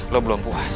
lu belum puas